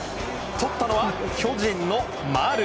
とったのは巨人の丸。